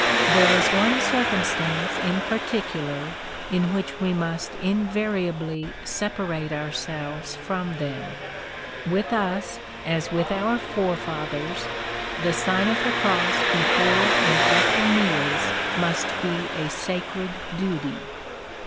There is one circumstance in particular, in which we must invariably separate our selves from them. With us, as with our forefathers, the Sign of the Cross before and after meals must be a sacred duty.